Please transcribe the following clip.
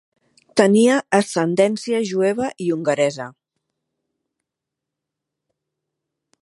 Tenia ascendència jueva i hongaresa.